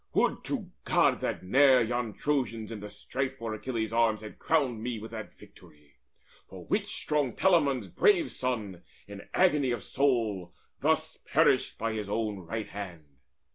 Would to God that ne'er Yon Trojans in the strife for Achilles' arms Had crowned me with that victory, for which Strong Telamon's brave son, in agony Of soul, thus perished by his own right hand!